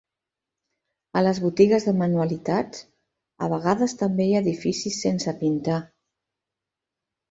A les botiges de manualitats, a vegades també hi ha edificis sense pintar.